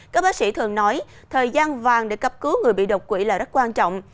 các bác sĩ thường nói thời gian vàng để cấp cứu người bị độc quỷ là rất quan trọng